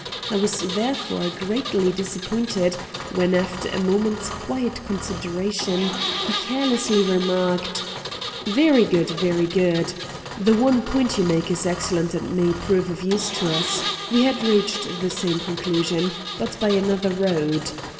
I was therefore greatly disappointed, when, after a moment's quiet consideration, he carelessly remarked: "Very good! very good! The one point you make is excellent and may prove of use to us. We had reached the same conclusion, but by another road.